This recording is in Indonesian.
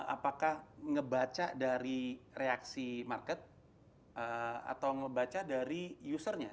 apakah ngebaca dari reaksi market atau ngebaca dari usernya